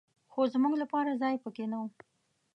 خو زمونږ لپاره ځای په کې نه و.